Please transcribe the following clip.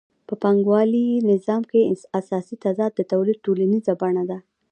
په پانګوالي نظام کې اساسي تضاد د تولید ټولنیزه بڼه ده